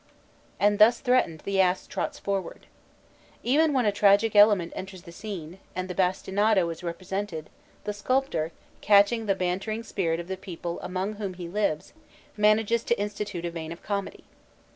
And thus threatened, the ass trots forward. Even when a tragic element enters the scene, and the bastinado is represented, the sculptor, catching the bantering spirit of the people among whom he lives, manages to insinuate a vein of comedy.